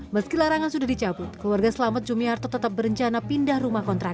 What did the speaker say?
meski larangan sudah dicabut keluarga selamat jumiarto tetap berencana pindah rumah kontrak